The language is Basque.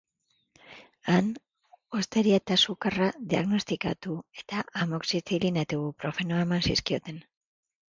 Han, hotzeria eta sukarra diagnostikatu eta amoxizilina eta ibuprofenoa eman zizkioten.